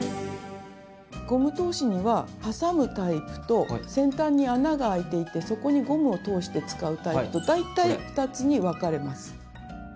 ゴム通しにははさむタイプと先端に穴があいていてそこにゴムを通して使うタイプと大体２つに分かれます。